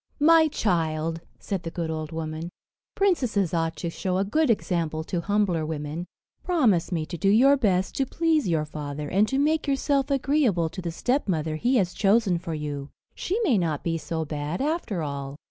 "My child," said the good old woman, "princesses ought to show a good example to humbler women. Promise me to do your best to please your father, and to make yourself agreeable to the stepmother he has chosen for you. She may not be so bad after, all."